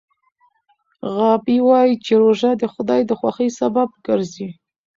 غابي وايي چې روژه د خدای د خوښۍ سبب ګرځي.